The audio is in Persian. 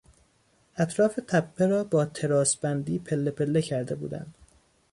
اطراف تپه را با تراس بندی پله پله کرده بودند.